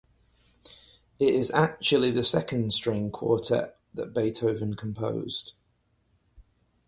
It is actually the second string quartet that Beethoven composed.